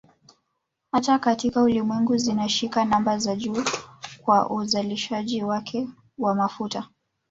Hata katika Ulimwengu zinashika namba ya juu kwa uzalishaji wake wa mafuta